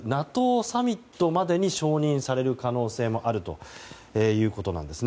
ＮＡＴＯサミットまでに承認される可能性もあるということなんです。